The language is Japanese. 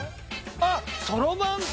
あっそろばんか！